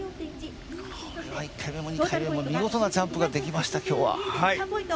これは１回目も２回目も見事なジャンプができました今日は。